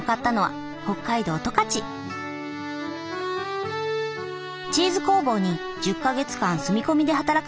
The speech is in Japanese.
チーズ工房に１０か月間住み込みで働かせてもらいました。